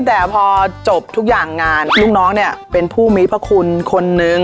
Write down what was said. แต่พอจบทุกอย่างงานลูกน้องเนี่ยเป็นผู้มีพระคุณคนนึง